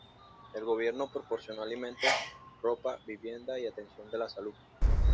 El gobierno proporcionó alimentos, ropa, vivienda y atención de la salud.